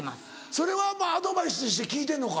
それはアドバイスとして聞いてんのか？